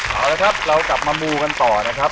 เอาละครับเรากลับมามูกันต่อนะครับ